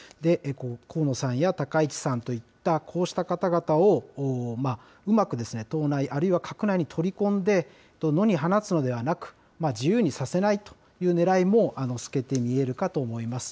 河野さんや高市さんといったこうした方々をうまく党内、あるいは閣内に取り込んで、野に放つのではなく、自由にさせないというねらいも透けて見えるかと思います。